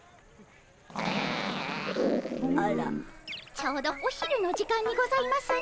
ちょうどお昼の時間にございますね。